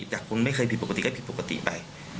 จากคนไม่เคยผิดปกติก็ผิดปกติไป